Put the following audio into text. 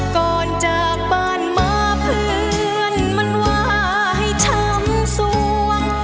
ก่อนจากบ้านมาเพื่อนมันว่าให้ช้ำสวง